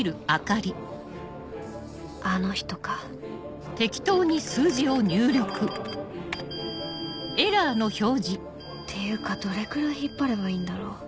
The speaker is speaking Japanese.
あの人かっていうかどれくらい引っ張ればいいんだろう